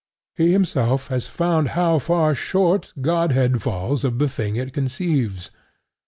He himself has found how far short Godhead falls of the thing it conceives.